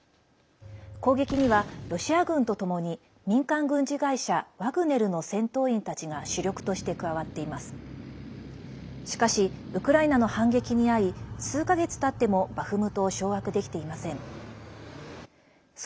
攻撃には、ロシア軍とともに民間軍事会社ワグネルの戦闘員たちが主力として加わっています。